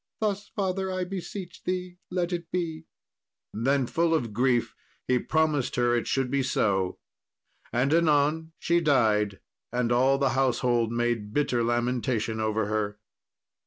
Thus, father, I beseech thee let it be." Then, full of grief, he promised her it should be so. And anon she died, and all the household made a bitter lamentation over her.